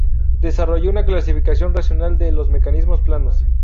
Desarrolló una clasificación racional de los mecanismos planos.